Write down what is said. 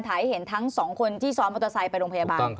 ให้เห็นทั้งสองคนที่ซ้อนมอเตอร์ไซค์ไปโรงพยาบาล